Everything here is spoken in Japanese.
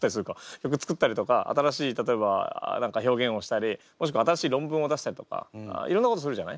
曲作ったりとか新しい例えば何か表現をしたりもしくは新しい論文を出したりとかいろんなことするじゃない。